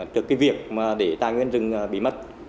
được cái việc để tài nguyên rừng bị mất